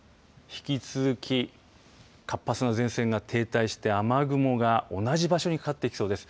引き続き活発な前線が停滞して雨雲が同じ場所にかかってきそうです。